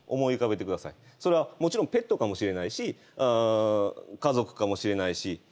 それはもちろんペットかもしれないし家族かもしれないし。